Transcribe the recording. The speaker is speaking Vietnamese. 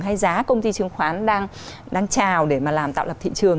hay giá công ty chứng khoán đang trào để mà làm tạo lập thị trường